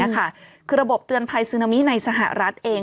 คือระบบเตือนภัยซึนามิในสหรัฐเอง